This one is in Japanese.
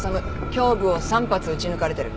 胸部を３発撃ち抜かれてる。